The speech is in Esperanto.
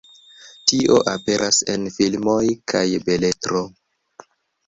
Tio aperas en filmoj kaj beletro.